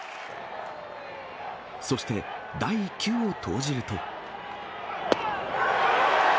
そして第１球を投じると。